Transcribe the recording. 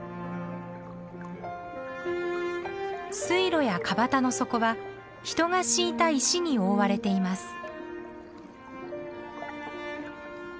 水路やかばたの底は人が敷いた石に覆われています。